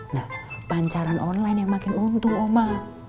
nah pancaran online yang makin untung oma